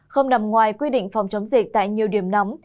không nằm ngoài quy định phòng chống dịch tại nhiều điểm nóng